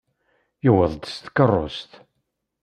Yuweḍ-d s tkeṛṛust.